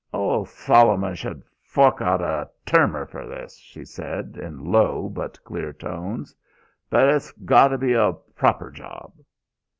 "Ol' Soloman sh'd fork out a termer for this," she said in low but clear tones. "But it's got to be a proper job."